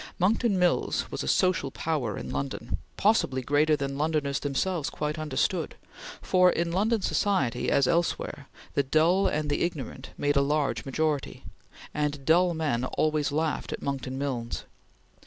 Monckton Milnes was a social power in London, possibly greater than Londoners themselves quite understood, for in London society as elsewhere, the dull and the ignorant made a large majority, and dull men always laughed at Monckton Milnes.